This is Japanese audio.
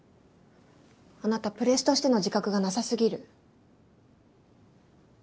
あなたプレスとしての自覚がなさすぎる。